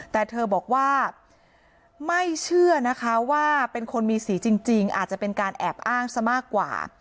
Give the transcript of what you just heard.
แต่เธอบอกว่าไม่เชื่อนะคะว่าเป็นคนมีสีจริงอาจจะเป็นการแอบอ้างซะมากกว่า